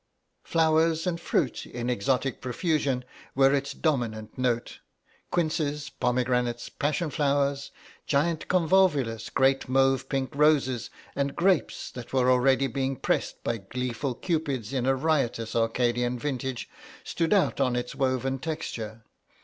Flowers and fruit, in exotic profusion, were its dominant note; quinces, pomegranates, passion flowers, giant convolvulus, great mauve pink roses, and grapes that were already being pressed by gleeful cupids in a riotous Arcadian vintage, stood out on its woven texture.